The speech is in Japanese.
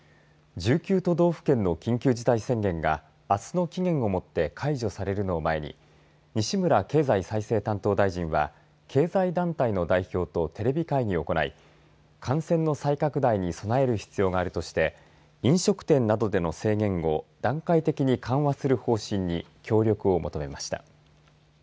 １９都道府県の緊急事態宣言があすの期限を持って解除されるのを前に西村経済再生担当大臣は経済団体の代表とテレビ会議を行い感染の再拡大に備える必要があるとして飲食店などでの制限を段階的に緩和する方針に協力を求めました。